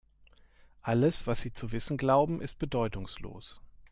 Alles, was Sie zu wissen glauben, ist bedeutungslos.